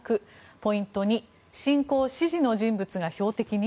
ポイント２侵攻支持の人物が標的に？